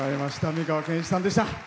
美川憲一さんでした。